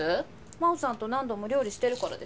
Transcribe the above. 真帆さんと何度も料理してるからですよ。